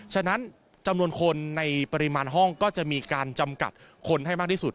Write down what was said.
ฉะนั้นจำนวนคนในปริมาณห้องก็จะมีการจำกัดคนให้มากที่สุด